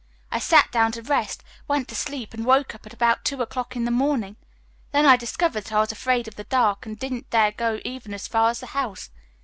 I sat down to rest, went to sleep and woke up about two o'clock in the morning. Then I discovered that I was afraid of the dark and didn't dare go even as far as the house.